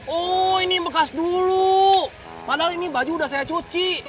oh ini bekas dulu padahal ini baju sudah saya cuci